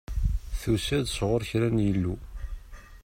Tusa-d sɣur kra n yillu.